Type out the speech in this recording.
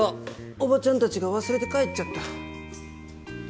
おばちゃん達が忘れて帰っちゃった。